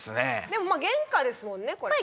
でもまあ原価ですもんねこれ。